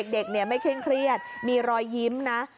เด็กไม่เครียดมีรอยยิ้มนะ